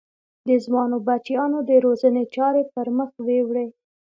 د ځوانو بچیانو د روزنې چارې پر مخ ویوړې.